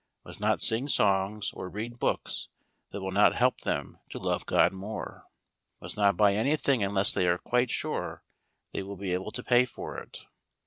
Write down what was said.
Must not sing songs or read books that will not help them to love God more. Must not buy anything unless they are quite sure they will be able to pay for it.